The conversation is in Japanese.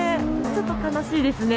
ちょっと悲しいですね。